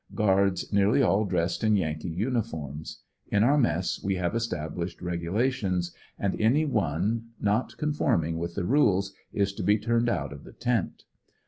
Guards nearly all dressed in Yankee uniforms In our mess we have established regulations, and any one not conforming with the rules is to be turned out of the tent.